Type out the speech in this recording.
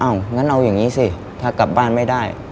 งั้นเอาอย่างนี้สิถ้ากลับบ้านไม่ได้